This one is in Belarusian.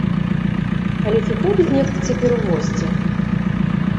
Але ці ходзіць нехта цяпер у госці?